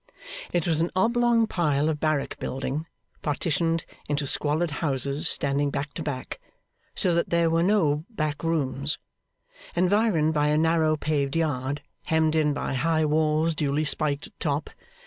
It was an oblong pile of barrack building, partitioned into squalid houses standing back to back, so that there were no back rooms; environed by a narrow paved yard, hemmed in by high walls duly spiked at top.